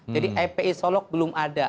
jadi fpi solok belum ada